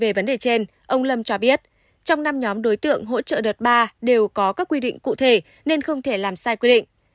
về vấn đề trên ông lâm cho biết trong năm nhóm đối tượng hỗ trợ đợt ba đều có các quy định cụ thể nên không thể làm sai quy định